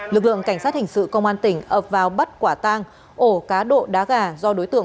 lực lượng cảnh sát hình sự công an tỉnh ập vào bắt quả tang ổ cá độ đá gà do đối tượng